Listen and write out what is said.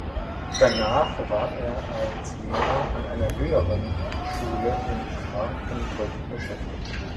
Danach war er als Lehrer an einer höheren Schule in Quakenbrück beschäftigt.